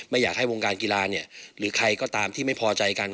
อยากให้วงการกีฬาเนี่ยหรือใครก็ตามที่ไม่พอใจกัน